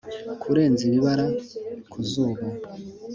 kurenza ibibara ku zuba.